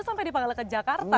itu sampai dipanggil ke jakarta kan